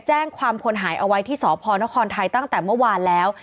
แจ้งความคนหายเอาไว้ที่สพนครไทยตั้งแต่เมื่อวานแล้ว